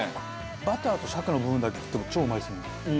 バターとしゃけの部分だけ食っても超うまいですもん。